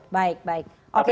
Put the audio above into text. baik baik oke